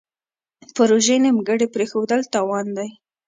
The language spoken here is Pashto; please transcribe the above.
پروژې نیمګړې پریښودل تاوان دی.